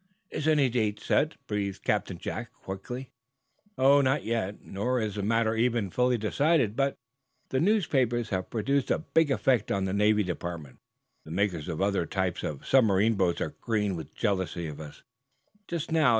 "Is any date set?" breathed Captain Jack, quickly. "Not yet, nor is the matter even fully decided. But the newspapers have produced a big effect on the Navy Department. The makers of other types of submarine boats are green with jealousy of us, just now.